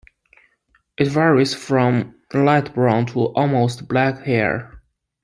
It varies from light brown to almost black hair.